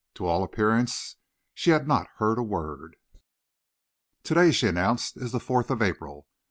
To all appearance she had not heard a word. "To day," she announced, "is the fourth of April.